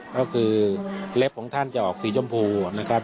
ก็คือเล็บของท่านจะออกสีชมพูนะครับ